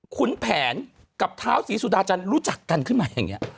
ขุนแผนกับเท้าศรีสุดาจันทร์รู้จักกันขึ้นมาอย่างนี้